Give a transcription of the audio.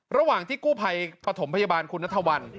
ระหว่างที่กู้ภัยปฐมพยาบาลคุณนัทวัล